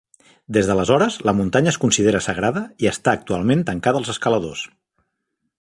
Des d"aleshores, la muntanya es considera sagrada i està actualment tancada als escaladors.